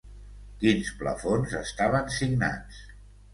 Quins plafons estaven signats?